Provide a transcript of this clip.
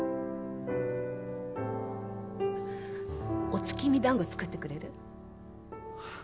お月見だんご作ってくれる？